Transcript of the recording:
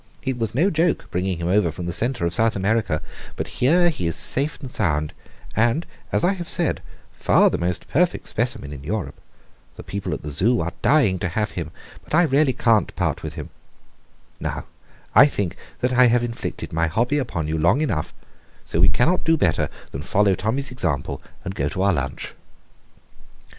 It was no joke bringing him over from the centre of South America; but here he is safe and sound and, as I have said, far the most perfect specimen in Europe. The people at the Zoo are dying to have him, but I really can't part with him. Now, I think that I have inflicted my hobby upon you long enough, so we cannot do better than follow Tommy's example, and go to our lunch."